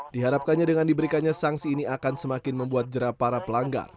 diharapkannya dengan diberikannya sanksi ini akan semakin membuat jerah para pelanggar